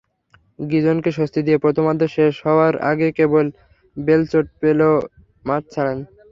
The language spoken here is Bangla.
গিজনকে স্বস্তি দিয়ে প্রথমার্ধ শেষ হওয়ার আগে বেল চোট পেয়ে মাঠ ছাড়েন।